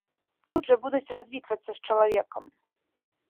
Тут жа будуць развітвацца з чалавекам.